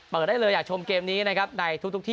เปิดได้เลยอยากชมเกมนี้ในทุกที่